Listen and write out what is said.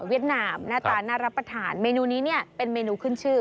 นามหน้าตาน่ารับประทานเมนูนี้เนี่ยเป็นเมนูขึ้นชื่อ